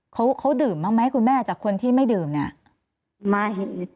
เขาเขาดื่มบ้างไหมคุณแม่จากคนที่ไม่ดื่มเนี่ยไม่